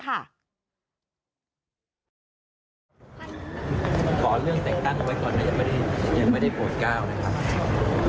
ขอเรื่องแต่งตั้งเอาไว้ก่อนนะยังไม่ได้โปรดก้าวนะครับ